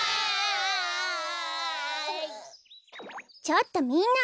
ちょっとみんな！